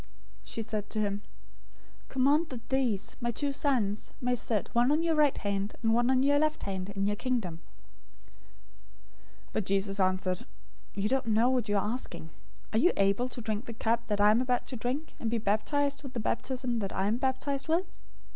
She said to him, "Command that these, my two sons, may sit, one on your right hand, and one on your left hand, in your Kingdom." 020:022 But Jesus answered, "You don't know what you are asking. Are you able to drink the cup that I am about to drink, and be baptized with the baptism that I am baptized with?"